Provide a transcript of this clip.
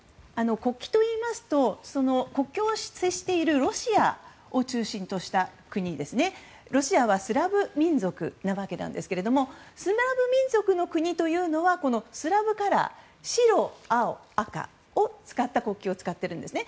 国旗といいますと国境を接しているロシアを中心とした国ロシアはスラブ民族なわけですけれどもスラブ民族の国というのはスラブカラー白、青、赤を使った国旗を使っているんですね。